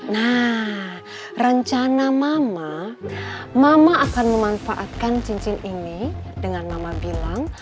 nah rencana mama mama akan memanfaatkan cincin ini dengan mama bilang